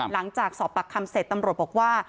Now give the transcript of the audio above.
หลังจากสอบปากคำเสร็จตำรวจบอกว่า